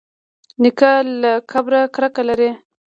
نیکه له کبره کرکه لري.